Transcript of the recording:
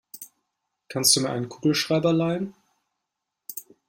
Kannst du mir einen Kugelschreiber leihen?